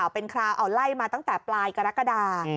เป็นคราวเอาไล่มาตั้งแต่ปลายกรกฎา